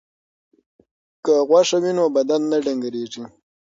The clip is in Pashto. که غوښه وي نو بدن نه ډنګریږي.